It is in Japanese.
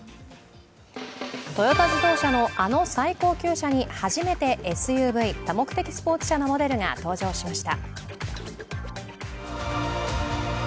トヨタ自動車のあの最高級車に初めてＳＵＶ＝多目的スポーツ車のモデルが登場しました。